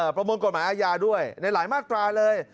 ประมวลกฎหมายอาญาด้วยในหลายมาตราเลย